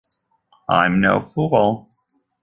I'm no fool.